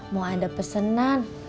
mau ada pesenan